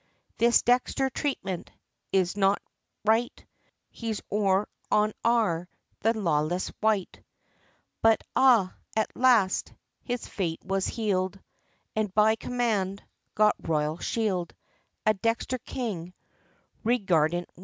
This Dexter treatment, Is not right; He's Or, on Ar, The lawless wight! BUT ah! at last, His fate was healed And by command, Got Royal Shield; A Dexter King, Reguardant, won!